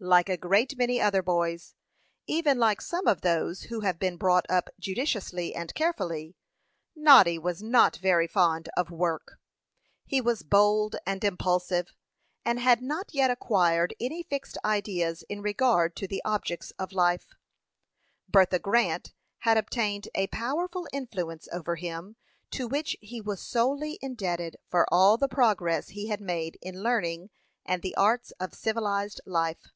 Like a great many other boys, even like some of those who have been brought up judiciously and carefully, Noddy was not very fond of work. He was bold and impulsive, and had not yet acquired any fixed ideas in regard to the objects of life. Bertha Grant had obtained a powerful influence over him, to which he was solely indebted for all the progress he had made in learning and the arts of civilized life.